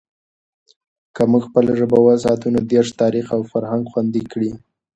که موږ خپله ژبه وساتو، نو دیرش تاریخ او فرهنگ خوندي کړي.